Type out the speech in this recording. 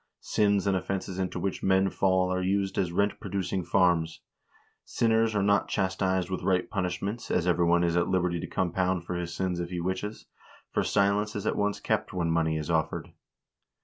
Sins and offenses into which men fall are used as rent producing farms ; sin ners are not chastised with right punishments, as every one is at liberty to compound for his sins if he wishes, for silence is at once kept when money is offered.